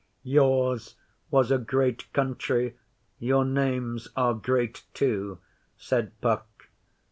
'Yours was a great country. Your names are great too,' said Puck.